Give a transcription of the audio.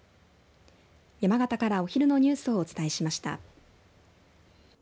山形からお昼のニュースをお伝えしました。